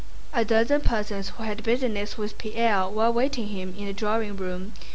A dozen persons who had business with Pierre were awaiting him in the drawing room.